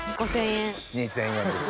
２０００円です。